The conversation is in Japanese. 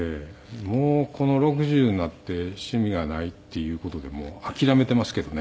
もうこの６０になって趣味がないっていう事でもう諦めていますけどね。